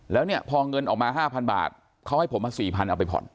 แล้วเนี่ยพอเงินออกมา๕๐๐บาทเขาให้ผมมา๔๐๐เอาไปผ่อน